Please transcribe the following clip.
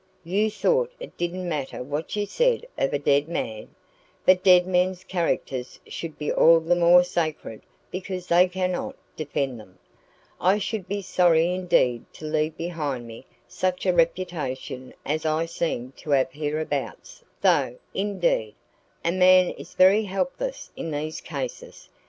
You thought it didn't matter what you said of a dead man? But dead men's characters should be all the more sacred because they cannot defend them. I should be sorry indeed to leave behind me such a reputation as I seem to have hereabouts though, indeed, a man is very helpless in these cases.